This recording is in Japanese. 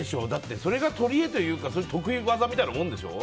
それが取り柄というか得意技みたいなもんでしょ？